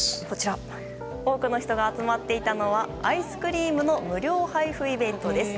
多くの人が集まっていたのはアイスクリームの無料配布イベントです。